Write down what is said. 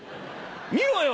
「見ろよ！